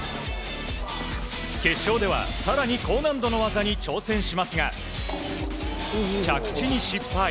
決勝では更に高難度の技に挑戦しますが着地に失敗。